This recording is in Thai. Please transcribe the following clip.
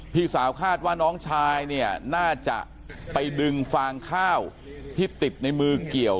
พี่สาวคาดว่าน้องชายเนี่ยน่าจะไปดึงฟางข้าวที่ติดในมือเกี่ยว